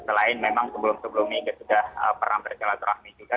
selain memang sebelum sebelumnya sudah pernah bersilaturahmi juga